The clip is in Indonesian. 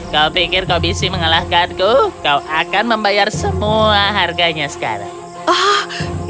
kau pikir kau bisa mengalahkanku kau akan membayar semua harganya sekarang